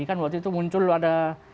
kan waktu itu muncul ada